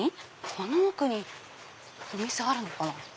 この奥にお店あるのかな？